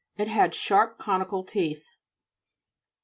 It had sharp conical teeth (p.